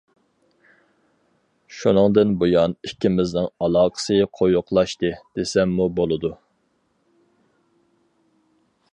شۇندىن بۇيان ئىككىمىزنىڭ ئالاقىسى قويۇقلاشتى دېسەممۇ بولىدۇ.